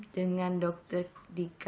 dengan dokter dika